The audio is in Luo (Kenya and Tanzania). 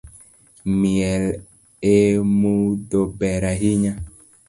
Miel emudho ber ahinya